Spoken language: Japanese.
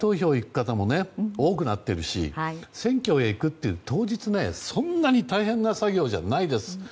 今、期日前投票に行く方も多くなっているし選挙へ行くっていう当日、そんな大変な作業じゃないです。